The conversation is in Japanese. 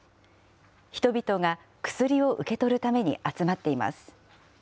人々が薬を受け取るために集まっています。